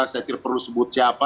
saya tidak perlu sebut siapa